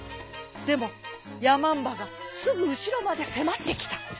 でもやまんばがすぐうしろまでせまってきた。